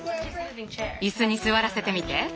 椅子に座らせてみて。